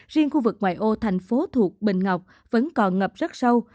riêng khu vực ngoại ô thành phố thuộc bình ngọc vẫn còn ngập rất sâu